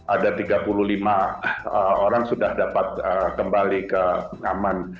ada tiga puluh lima orang sudah dapat kembali ke aman